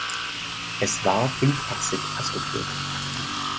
Es war fünfachsig ausgeführt.